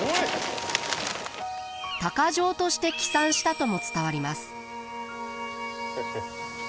鷹匠として帰参したとも伝わります。